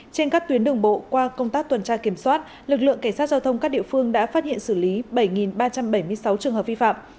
trên các tuyến đường bộ qua công tác tuần tra kiểm soát lực lượng cảnh sát giao thông các địa phương đã phát hiện xử lý bảy ba trăm bảy mươi sáu trường hợp vi phạm